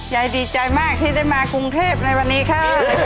ยายดีใจมากที่ได้มากรุงเทพในวันนี้ค่ะ